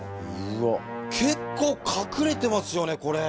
結構隠れてますよねこれ。